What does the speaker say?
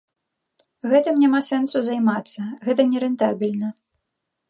Гэтым няма сэнсу займацца, гэта нерэнтабельна.